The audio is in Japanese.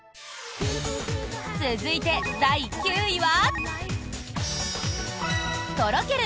続いて、第９位は。